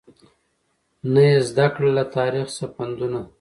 نه یې زده کړل له تاریخ څخه پندونه